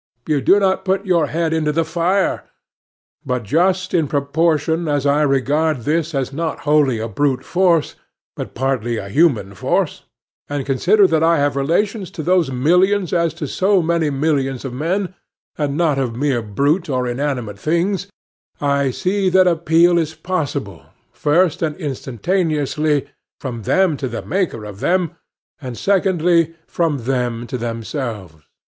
You do not put your head into the fire. But just in proportion as I regard this as not wholly a brute force, but partly a human force, and consider that I have relations to those millions as to so many millions of men, and not of mere brute or inanimate things, I see that appeal is possible, first and instantaneously, from them to the Maker of them, and, secondly, from them to themselves.